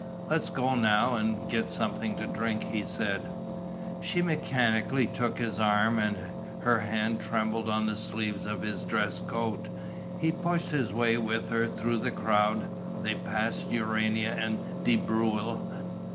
"Let's go now and get something to drink," he said. She mechanically took his arm; and her hand trembled on the sleeve of his dress coat. He pushed his way with her through the crowd; they passed Urania and De Breuil.